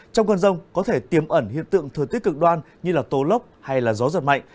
trong cơn rông có thể tiêm ẩn hiện tượng thừa tiết cực đoan như tố lốc hay gió giật mạnh